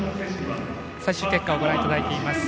最終結果をご覧いただいています。